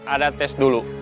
ada tes dulu